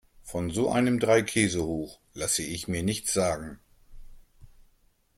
Von so einem Dreikäsehoch lasse ich mir nichts sagen.